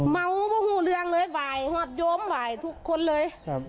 เมาว์มาหูเรืองเลยบ่ายหอดโยมบ่ายทุกคนเลย